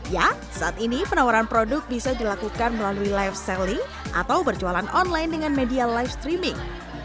ya saat ini penawaran produk bisa dilakukan melalui live selling atau berjualan online dengan media live streaming